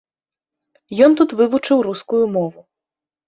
Ён тут вывучыў рускую мову.